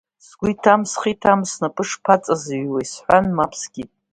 Сгәы иҭам, схы иҭам снапы шԥаҵазҩуеи, — сҳәан, мап скит.